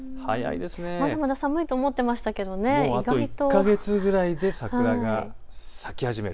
まだまだ寒いと思っていましたけど意外とあと１か月ぐらいで桜が咲き始める。